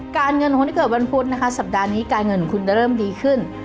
เงินของคนที่เกิดวันพุธนะคะสัปดาห์นี้การเงินของคุณจะเริ่มดีขึ้น